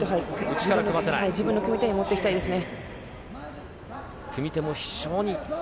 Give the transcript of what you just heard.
自分の体勢に持っていきたいですね。